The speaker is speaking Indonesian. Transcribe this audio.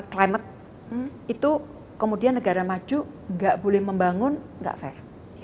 climate itu kemudian negara maju nggak boleh membangun nggak fair